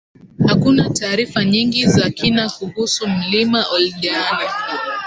hakuna taarifa nyingi za kina kuhusu Mlima Oldeani